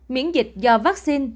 hai miễn dịch do vaccine